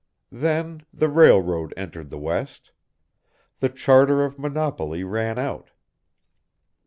"Then the railroad entered the west. The charter of monopoly ran out.